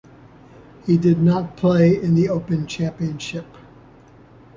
He did not play in The Open Championship.